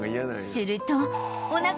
すると何？